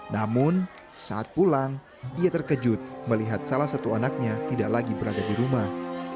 namun saat pulang dia terkejut melihat salah satu anaknya tidak lagi berada di rumah